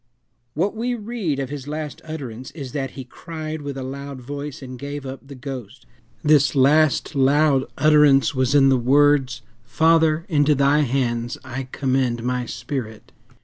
What we read of his last utterance is that "he cried with a loud voice, and gave up the ghost." This last loud utterance was in the words, "Father, into thy hands I commend my spirit."